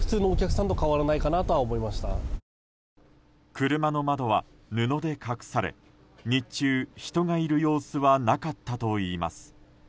車の窓は布で隠され日中、人がいる様子はなかったといいます。